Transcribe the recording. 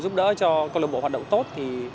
giúp đỡ cho câu lạc bộ hoạt động tốt